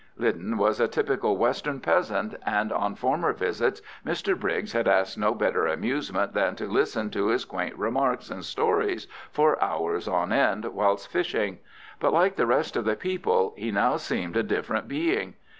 Lyden was a typical western peasant, and on former visits Mr Briggs had asked no better amusement than to listen to his quaint remarks and stories for hours on end whilst fishing; but, like the rest of the people, he now seemed a different being.